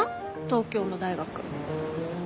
東京の大学。